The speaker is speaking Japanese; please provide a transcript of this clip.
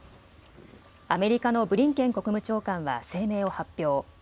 アメリカのブリンケン国務長官は声明を発表。